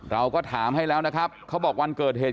เราก็ถามให้แล้วนะครับเขาบอกวันเกิดเหตุ